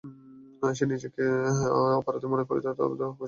সে নিজেকে যতই অপরাধী মনে করিত আমি ততই খুশি হইতাম।